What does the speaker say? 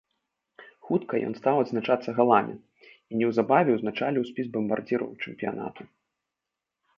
Хутка ён стаў адзначацца галамі і неўзабаве ўзначаліў спіс бамбардзіраў чэмпіянату.